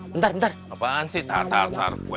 bentar bentar apaan sih tatar tar kue